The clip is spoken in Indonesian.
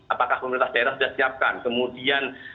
apakah pemerintah daerah sudah siapkan kemudian